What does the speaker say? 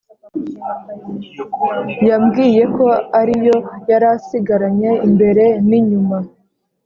Yambwiye ko ariyo yarasigaranye imbere n’inyuma